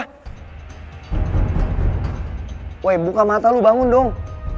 wow buka mata lo bangun dong